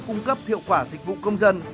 cung cấp hiệu quả dịch vụ công dân